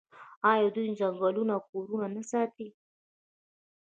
آیا دوی ځنګلونه او کورونه نه ساتي؟